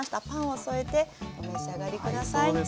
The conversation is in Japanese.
パンを添えてお召し上がり下さい。